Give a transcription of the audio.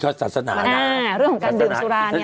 อ๋อก็มีศาสนาอ่าเรื่องของการดื่มสุราเนี่ย